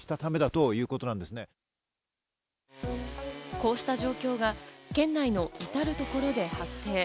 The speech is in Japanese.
こうした状況が県内の至る所で発生。